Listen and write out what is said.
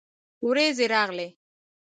ورېځې راغلې